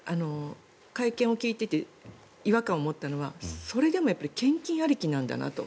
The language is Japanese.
会見を聞いていて違和感を持ったのはそれでも献金ありきなんだなと。